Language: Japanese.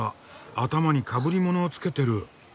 頭にかぶり物をつけてる。